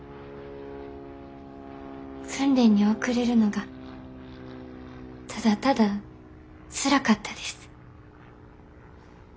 訓練に遅れるのがただただつらかったです。